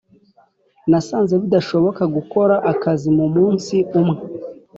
nasanze bidashoboka gukora akazi mumunsi umwe